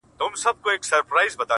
خو له تربوره څخه پور په سړي خوله لگوي